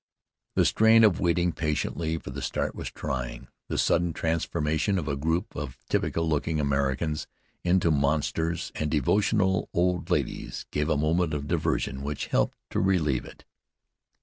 The strain of waiting patiently for the start was trying. The sudden transformation of a group of typical looking Americans into monsters and devotional old ladies gave a moment of diversion which helped to relieve it.